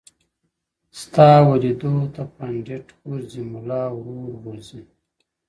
ستا و ليدو ته پنډت غورځي! مُلا ورور غورځي!